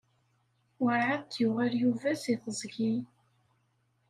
Werɛad d-yuɣal Yuba seg teẓgi.